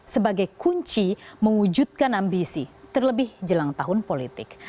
sebagai kunci mewujudkan ambisi terlebih jelang tahun politik